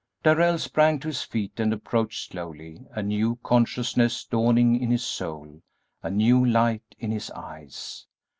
Darrell sprang to his feet and approached slowly, a new consciousness dawning in his soul, a new light in his eyes.